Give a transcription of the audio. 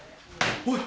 おい！